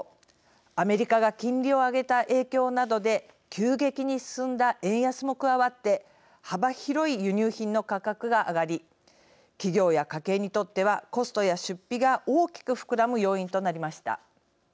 アメリカが金利を上げた影響などで急激に進んだ円安も加わって幅広い輸入品の価格が上がり企業や家計にとってはコストや出費が大きく膨らむ要因となりました。